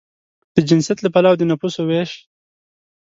د جنسیت له پلوه د نفوسو وېش